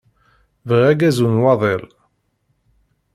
Bɣiɣ agazu n waḍil.